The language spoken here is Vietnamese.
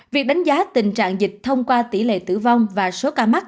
việc đánh giá tình trạng dịch thông qua tỷ lệ tử vong và số ca mắc